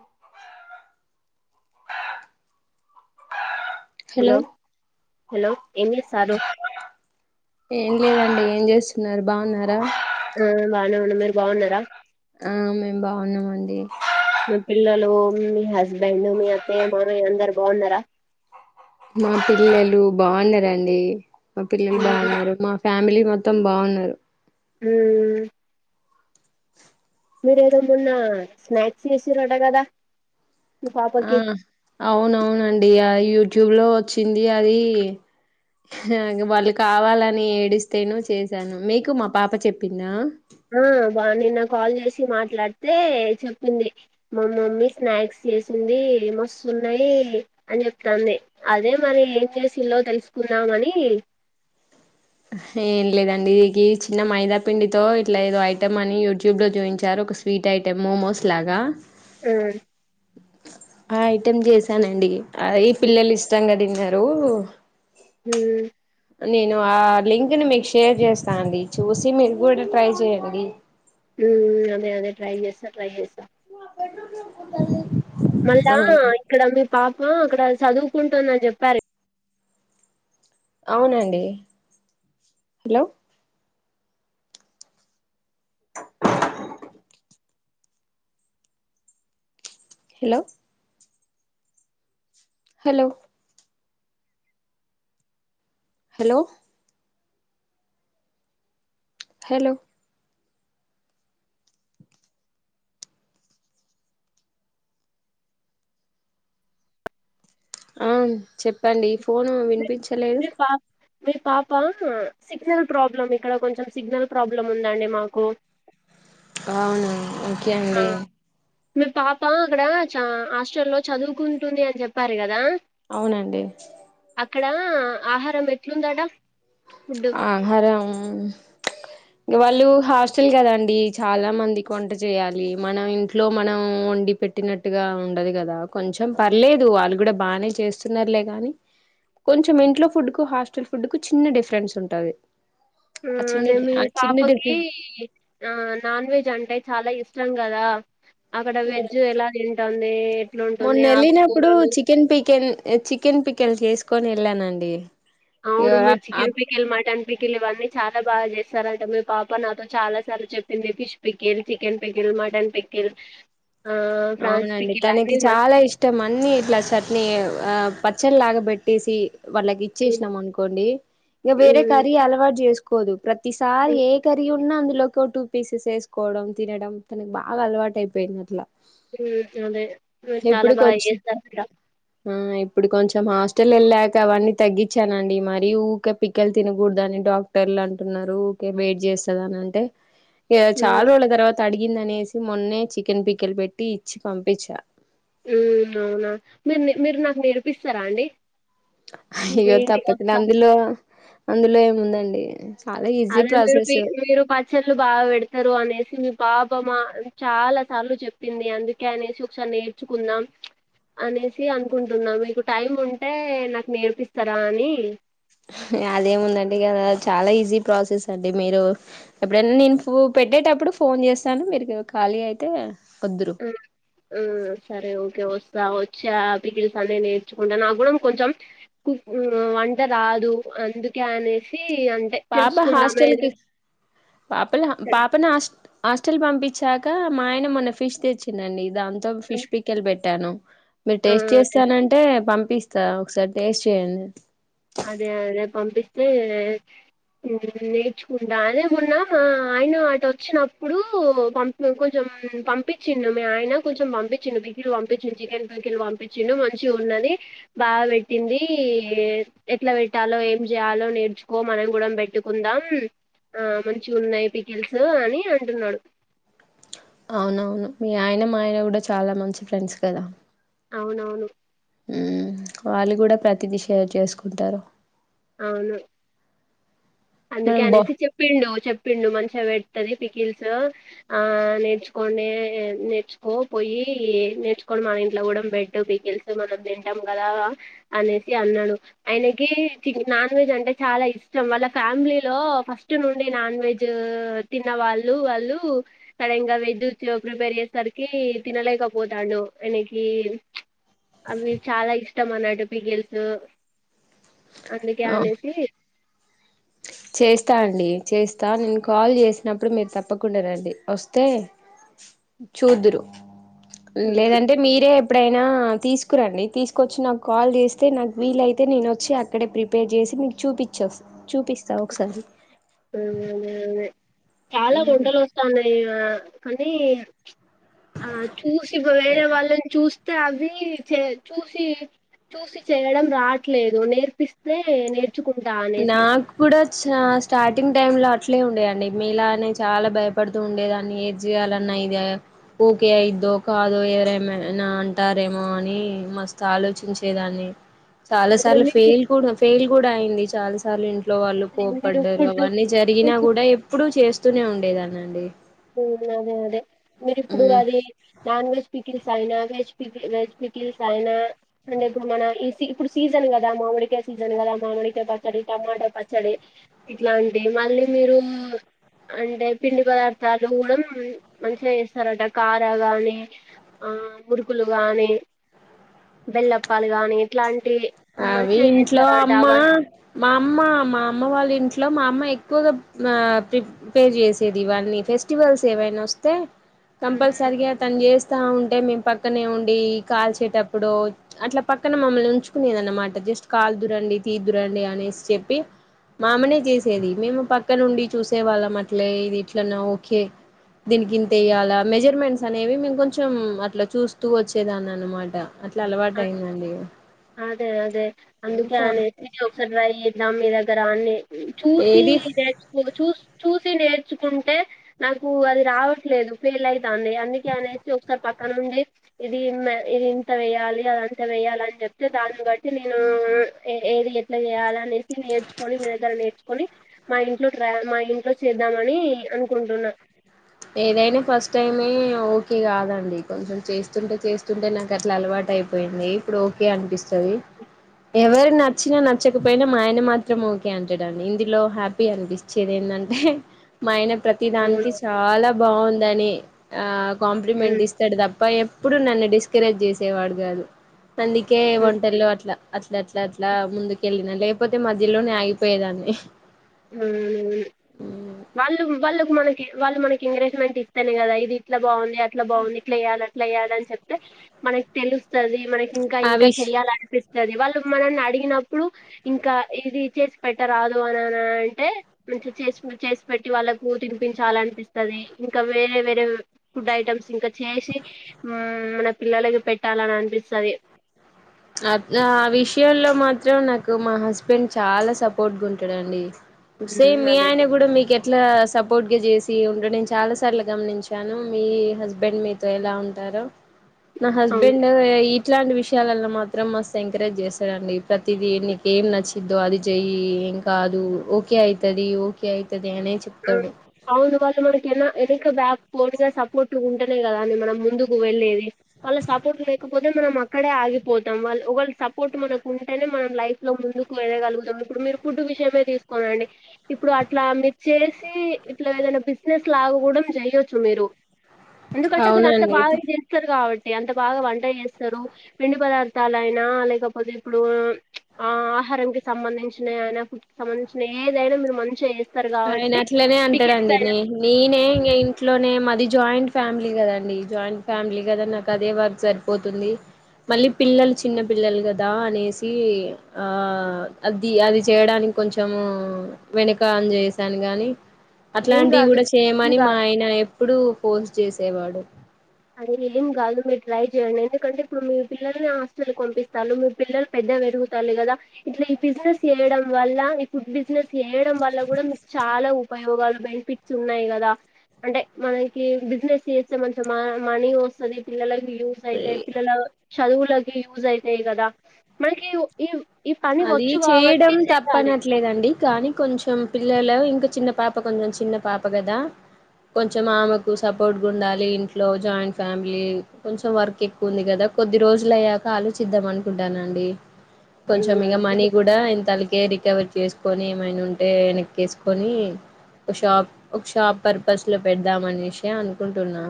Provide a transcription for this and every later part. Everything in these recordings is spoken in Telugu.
అ హలో హలో ఏం చేస్తారు ఏం లేదండి ఏం జేస్తున్నారు బావున్నారా ఆ బానే ఉన్నా మీరు బావున్నారా ఆ మేం బావున్నామండి మీ పిల్లలు మీ హస్బెండు మీ అత్తయ్య మామయ్య అందరు బావున్నారా మా పిల్లలు బాన్నరండి మా పిల్లలు మ్మ్ బాగున్నారు మా ఫ్యామిలీ మొత్తం బావున్నారు ఊ మీర ఏదో మొన్న స్నాక్సి జేసిర్రంట గదా ఆ అవునవునండి ఆ యూట్యూబ్ లో వొచ్చింది అది హా ఇంగ వాళ్ళు కావాలని ఏడిస్తేను చేశాను మీకు మా పాప చెప్పిందా మాట్లాడ్తే చెప్పింది మా మమ్మీ స్నాక్స్ జేసింది మస్తున్నాయ్ అని జెప్తాంది అదే మరి ఏం జేసిల్లో తెలుసుకుందామని అహ ఏం లేదండి ఇగి చిన్న మైదా పిండితో ఇట్లా ఏదో ఐటమ్ అని యూట్యూబ్ లో చూయించారు ఒక స్వీట్ ఐటమ్ మోమోస్ లాగా ఉమ్ ఆ ఐటమ్ చేసానండి అ ఈ పిల్లలు ఇష్టంగా తిన్నారు ఉమ్ నేను ఆ లింక్ ని మీకు షేర్ చేస్తానండి చూసి మీరు కూడా ట్రై చేయండి ఉమ్ అదే అదే ట్రై చేస్తా ట్రై చేస్తా [unintelligible] మళ్ళా ఆ ఇక్కడ మీ పాప అక్కడ చదువుకుంటుందని చెప్పారె అవునండి hello hello hello hello hello ఆ చెప్పండి ఫోను వినిపించలేదు మీ పాప మీ పాప సిగ్నల్ ప్రాబ్లం ఇక్కడ కొంచెం సిగ్నల్ ప్రాబ్లం ఉందండి మాకు అవునా ఓకే ఆ అండి మీ పాప అక్కడ చ హాస్టల్లో చదువుకుంటుంది అని చెప్పారు కదా అవునండి అక్కడ ఆహారం ఎట్లుందాడా ఆహారం వాళ్ళు హాస్టల్ కదండి చాలా మందికి వంట చేయాలి మనం ఇంట్లో మనం వండి పె ట్టినట్టుగా ఉండదు కదా కొంచెం పర్లేదు వాళ్ళు కూడా బానే చేస్తున్నారులే గాని కొంచెం ఇంట్లో ఫుడ్ కు హాస్టల్ ఫుడ్ కు చిన్న డిఫరెన్స్ ఉంటది ఆ ఉమ్ చిన్న అదే డి మీ ఆ చిన్న పాపకి డిఫరెన్ ఆ నాన్ వెజ్ అంటే చాలా ఇష్ ష్టం కదా అక్కడ వెజ్ ఎలా తింటుంది మొన్న ఎట్లుంటుంది వెళ్ళినప్పుడు ఆకుకూరలు పికిల్ చేసుకొని వెళ్ళానండి ఇగ అవును మీరు అప్ చికెన్ పికిల్ మటన్ పికిల్ ఇవన్నీ చాలా బాగా చేస్తారంట మీ పాప నాతో చాలా సార్లు చెప్పింది fish pickle chicken pickle mutton pickle ఆహ్, ఫ్రాన్స్ అవునండి పికిల్ అన్నీ తనకి మస్తు చాలా ఇష్టం అన్ని ఇట్లా చట్ని ఆ పచ్చడి లాగ పెట్టేసి వాళ్ళకి హ్మ్. ఇచ్చేసినాం అనుకోండి ఇంకా వేరే కర్రీ అలవాటు చేసుకు కొదు ప్రతి సారి హ్మ్. ఏ కర్రీ ఉన్న అందు లో ఒక టూ పీసెస్ వేసుకోవడం తినడం తనకి బాగా అలవాటు అయిపోయింది అట్లా ఉమ్ అదే మీరు చాలా బాగా చేస్తారు అంట ఉమ్ ఇప్పుడు కొంచెం హాస్టల్ వెళ్ళాక అవన్నీ తగ్గిచ్చానండీ మరీ ఊక పికెల్ తినకూడదని డాక్టర్లు అంటున్నారు ఉకే వేడి చేస్తదని అంటే ఇగ హ్మ్. చాలా రోజుల తర్వాత అడిగిందనేసి మొన్నే చికెన్ పికిల్ పెట్టి ఇచ్చి పంపించ ఉమ్ అవునా మీరు నె మీరు నాకు నేర్పిస్తారా అండి మీ అయ్యో తప్పకుండా ఇంటికొస్తా. అందులో అందులో ఏముందండి చాలా ఈజీ అదే మీరు పి ప్రాసెస్ మీరు పచ్చళ్ళు బాగా పెడతారు అనేసి మీ పా ప మా చాలా సార్లు చెప్పింది అందుకే అనేసి ఒకసారి నేర్చుకుందాం అనేసి అనుకుంటున్నా మీకు టైం ఉంటే నాకు నేర్పిస్తారా అని అదేముందండి కద చాలా ఈజీ ప్రాసెస్ అండి మీరు ఎప్పుడైనా నేను [unintelligible] పెట్టేటప్పుడు ఫోన్ చేస్తాను మీరు ఖాళీ అయితే వద్దురు ఉమ్ ఉమ్ సరే ఓకే వస్తా ఆహ్ పికిల్స్ అదే నేర్చుకుంటా నాకు కూడా కొంచెం కుక్ వంట రాదు అందుకు. కనేసి. పాప హాస్టల్కి పాపల తెలుసు పాపను హాస్ట హాస్టల్ పంపించాక మా ఆయన మొన్న ఫిష్ తెచ్చిందండి దాంతో ఫిష్ పిక్కెల్ పెట్టాను. మీరు ఆ! టేస్ట్ అదే చేస్తానంటే పంపిస్తా ఒకసారి టేస్ట్ చేయండి. అదే రేపు పంపిస్తే. నేర్చుకుంటా అదే మొన్న ఆయన అటు వచ్చినప్పుడు పంపి కొంచెం. ఉమ్ పంపించిండు మీ ఆయన కొంచంపించిండు పికిలు పంపించిండు చికెన్ పీకిలు పంపించిండు మంచిగున్నది. బాగా పెట్టింది. ఎట్లా పెట్టాలో ఏం చేయాలో నేర్చుకో మనం కూడా పెట్టుకుందాం. ఆహ్ మంచిగున్నాయి పికెల్సు అని అంటున్నాడు. అవునవును మీ ఆయన మా ఆయన కూడా చాలా మంచి ఫ్రెండ్స్ కదా. అవునవును. ఉమ్ వాళ్ళు కూడా ప్రతిది షేర్ చేసుకుంటారు. అవును. అందుకే మనం బా అనేసి చెప్పిండు చెప్. పిండు మంచిగా పెడుతది పికిల్స్ ఆహ్ నేర్చుకోండే నేర్చుకో పోయి. ఏం నేర్చుకోండి మన ఇంట్లో కూడా పెట్టు పీకిల్స్ మనం తింటాం కదా అనేసి అన్నాడు. ఆయనకి చికె నాన్ వెజ్ అంటే చాలా ఇష్టం వాళ్ళకీ. ఫ్యామిలీలో ఫస్ట్ నుండే నాన్ వెజ్ తిన్న వాళ్ళు వాళ్ళు సడన్గా వెజ్. ఇది ప్రిపేర్ చేసరికి తినలేకపోతాండు ఆయనకి ప్చ్. అవి చాలా ఇష్టం అన్నట్టు పికీల్సు అందుకే ఆ అనేసి. చేస్తా అండి చేస్తా నేను కాల్ చేసినప్పుడు మీరు తప్పకుండా రండి వస్తే. చూదురు ఉమ్, అదే లేదంటే మీరే ఎప్పుడై ఆహ్ తీసుకురండి తీసుకొచ్చి నాకు కాల్ చేస్తే నాకు వీలైతే నేను వచ్చి అక్కడే ప్రిపేర్ చేసి మీకు. చూపించి వస్ చూపిస్తా ఒకసారి. అదే అదే చాలా మ్మ్ వంటలు వస్తాన్నాయి కానీ. ఆహ్ చూసి వేరే వాళ్ళని చూస్తే అవి చే చూసి. చూసి చేయడం రాట్లేదు నేర్పిస్తే నేర్. నాకు కూడా చ స్టార్ట్. సార్టింగ్ టైమ్ లో అట్లే ఉండేయండి మీలానే చాలా భయపడుతూ ఉండేదాన్ని ఏది చేయాలన్నా ఇదే. ఊకే అయిద్దో కాదో ఎవరేమైనా అంటారేమో అని మస్తు ఆలోచించేదాన్ని. చాలా అదే సార్లు మీకు ఫెయిల్ కూడా ఫెయిల్ కూడా అయింది చాలా సార్లు ఇన్. ఇంట్లో వాళ్ళు మీరు కోపడ్డారు ఫుడ్ అవన్నీ జరిగినా అదే కూడా ఎప్పుడు చేస్తూనే ఉండేదాన్ని అండి. అదే అదే మీరు ఇప్పుడు మ్మ్ అది నాన్ వెజ్ పిక్ సైనా వెజ్ పీకిల్స్ వెజ్ పికిల్స్ సైన మన ఇప్పుడు మన సీజన్ కదా మా. క సీజన్ కదా మామిడికాయ పచ్చడి టమాటా పచ్చడి ఇట్లాంటివి మళ్ళీ మీరు. అంటే పిండి పదార్థాలు కూడా మంచిగా చేస్తారంట కారా గాని. ఆహ్ మురుకులు గానీ బెల్లప్పాలు గానీ ఇట్లాంటి. అవి మంచిగా ఇంట్లో చేస్తారట అమ్మ అవ మా అమ్మ మా అమ్మ వాళ్ళ ఇంట్లో మా అమ్మ. ఎక్కువగా ఆహ్ ప్రిపేర్ చేసేది ఇవన్నీ ఫెస్టివల్స్ ఏవైనా వస్తే. ఉమ్, కంపల్సరిగా ఆతను చేస్తే. వస్తా ఉంటే మేము పక్కనే ఉండి కాల్చేటప్పుడు అట్లా పక్కన మమ్మల్ని ఉంచు. లేదనమాట జస్ట్ కాలుదురండి తీదురండి అనేసి చెప్పి. మా అమ్మనే చేసేది మేము పక్కన ఉండి చూసే వాళ్ళం అట్లే ఇది ఇట్లన్నా ఓకే. దీనికి ఇంత వెయ్యాల మెజర్మెంట్స్ అనేవి మేము కొంచెం అట్లా చూస్తూ వచ్చేదాన్ని అనమాట అట్లా ఆ అలవాటు అయిందండి ఇగ అదే అదే అందుకే అనేసి ఒకసారి ట్రై చేద్దాం మీ దగ్గర అని చూసి ఏది నేచుకో చూస్ చూసి నేర్చుకుంటే నాకు అది రావట్లేదు ఫెయిల్ అయితాంది అందుకే అనేసి ఒకసారి పక్ అనుంది ఇది మ్మ్ ఇదింత వేయ్యాలి అదంత వేయాల అన్ చెప్తే దాన్ని బట్టి నేను ఏది ఎట్లా చేయాల చూసి నేర్చుకొని మీ దగ్గర నేర్చుకొని మా ఇంట్లో ట్ర మా ఇంట్లో చేద్దామని అన్ ఏదైన ఫస్ట్ టైమే ఓకే కాదండి కొంచెం చేస్తుంటె చేస్తుంటే నాకు అట్ల అలవాటయిపోయింది ఇప్పుడు ఓకే అనిపిస్తుంది ద [unintelligible] ఎవరు నచ్చిన నచ్చకపోయినా మా ఆయన మాత్రం ఓకే అంటడండి ఇందులో హ్యాపీ అనిపిచేది అంటే మా ఆయన ప్రతిదానికి అవును చాలా బాగుందని ఆ కాంప్లిమెంట్ ఉమ్, ఇస్తడు తప్ప ఎప్పుడు నన్ను డిస్కరేజ్ జేసేవాడు కాదు అందుకే ఉమ్, వంటల్లో అట్ల అట్లట్లట్లా ముందుకెళ్ళి లేపోతే మధ్యిలోనే ఆగిపోయేదాన్ని ఉమ్మ్మ్మ్ వాళ్ళు వాళ్ళకు మనకి వాళ్ళు మనకి ఎంకరేజ్మెంట్ ఇత్తేనే కదా ఇది ఇట్ల బాగుంది అట్లా బాగుంది ఇట్లేయాలి అట్లేయాలన్ చెప్తే మనకి తెలుసు స్తది మనకి ఇంకా ఆ ఇంకా విష్ చెయ్యాలనిపిస్తది వాళ్ళ మనల్నడిగినప్పుడు ఇంకా ఇది చేసి పెట్టరాదు అనని అంటే మంచి చేసి చెస్పెట్టి వాళ్ళకు తినిపించాలనిపిస్తది ఇంకా వేరే వేరే ఫుడ్ ఐటమ్స్ ఇంక చేసి మన పిల్లలకి పెట్టాలనన్పిస్తది అట్లా ఆ విషయల్లో మాత్రం నాకు మా హస్బెండ్ చాల సపోర్ట్గుంటడండి సేమ్ మీ అదే ఆయన గుడ మీకె అట్లా సపోర్ట్గజేసి ఉండడం చాలా సార్లు గమనించాను మీ హస్బెండ్ మీతో ఎలా ఉంటా హలో నా అవును హస్బెండ్ ఇట్లాంటి విషయాలల్లో మాత్ మాత్రం మస్తు ఎంకరేజ్ చేస్తడండి ప్రతిదీ నీకేం నచ్చిద్దో అది చెయ్యి ఎంకాదు ఓకె ఓకె అయితది ఓకె అయితది అనే ఆ చెప్తాడు అవును వాళ్ళు మనకెన్న వెనుక బ్యాక్బోన్ గా సపోర్టుగుంటేనే కదా అండి మనం ముందుకు వెళ్లేేది వాళ్ళ సపోర్ట్ లేకపోతే మనం అక్కడే ఆగిపోతాం వాళ్ళ ఒకళ్ళ సపోర్ట్ మనకుంటేనే మనం లైఫ్ లో ముందుకు వేయగలుగుతం ఇప్పుడు మీరు ఫుడ్ విషయమే తీసుకోనండి ఇప్పుడు అట్లా మీ చేసి ఇట్ల ఏదైనా బిజినెస్ లాగ గూడ జెయ్యొచ్చు మీరు ఎందుకంటే మీరంత అవునండి బాగా జేస్తరు కాబట్టి ఎంత బాగా వంట చేస్తరు పిండి పదార్థాలయినా లేకపోతే ఇప్పుడు ఆ ఆహారం కి సంబంధించినయనా ఫుడ్ కి సంబంధించిన ఏదైనా మీరు మంచిగా చేస్తారు కాబట్టి, ఆయనట్లనే పికిల్స్ అంటడండి అయినా నీనే ఇంగ ఇంట్లోనే మది జాయింట్ ఫ్యామిలీ కదండి జాయింట్ ఫ్యామిలీ కదా నాకదే వర్క్ సరిపోతుంది మళ్ళీ పిల్లల్ చిన్న పిల్లలు కదా అనేసి ఆ అది అది చేయడాని కొంచము వెనకా అన్ చేసాను గాని ఏం అట్లాంటివి కూడా కాదు చేయమని మా ఆయన ఎప్పుడూ ఫోర్స్ చేసేవాడు అది ఏం కాదు మీరు ట్రై చేయండి ఎందుకంటే ఇప్పుడు మీ పిల్లల్ని హస్టల్ పంపిస్తారు మీ పిల్లలు పెద్దగై ది కదా ఇట్లా ఈ బిజినెస్ చేయడం వల్ల ఈ ఫుడ్ బిజినెస్ చేయడం వల్ల కూడా మీకు చాలా ఉపయోగాలు బెనిఫిట్సున్నయ్ గదా అంటే మనకి బిజినెస్ చేస్తే మంచ్ ఆ మనీ వస్తది పిల్లలకి యూసైతాయ్ పిల్లల చదువుల్ లకి యూసైతాయ్ కదా మనకి ఈ ఈ పని అదీ వచ్చు కాబట్టి చేయడం చెయ్యాలి తప్పనట్లేదండి కానీ కొంచెం పిల్లలు ఇంక చిన్నపాప కొంచెం చిన్న పాప గదా కొంచెం ఆమెకు సపోర్ట్గుండాలి ఇంట్లో జాయింట్ ఫ్యామిలీ కొంచెం వర్కెక్కువుంది గద కొద్ది రోజులయ్యాక ఆలోచిద్దాం అనుకుంటాన్న అండి కొంచెం ఇగ మనీ కూడా ఇంత కే రికవర్ చేసుకొని ఏమైనా ఉంటే వెనక్కే సుకొని ఒక షాప్ ఒక షాప్ పర్పస్ లో పెడదామ అనే సి అనుకుంటున్నా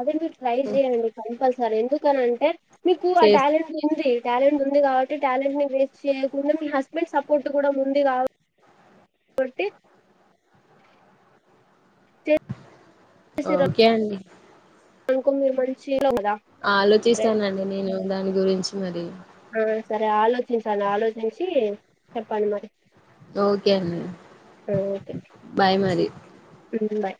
అదే మీరు ట్రై చెయ్యండి కంపల్సరీ ఎందుకని అంటే మీకు ఆ చే టాలెంట్ ఉంది టాలెంట్ ఉంది కాబట్టి టాలెంట్ ని వేస్ట్ చేయకుండా మీ హస్బెండ్ సపోర్ట్ కూడా ఉంది కాబట్టి ఓకేండి అకు మీ మంచించి [unintelligible] ఆలోచిస్తానండి నేను దాని గురించి మరి ఆ సరే ఆలోచించండి ఆలోచించి చెప్పండీ మరి ఓకే అండి ఆ, ఓకే బాయ్ మరి బాయ్